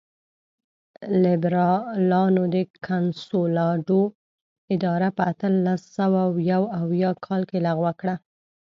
لېبرالانو د کنسولاډو اداره په اتلس سوه یو اویا کال کې لغوه کړه.